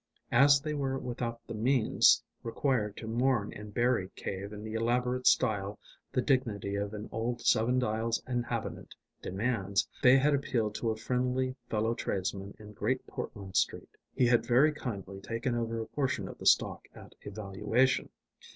As they were without the means required to mourn and bury Cave in the elaborate style the dignity of an old Seven Dials inhabitant demands, they had appealed to a friendly fellow tradesman in Great Portland Street. He had very kindly taken over a portion of the stock at a valuation.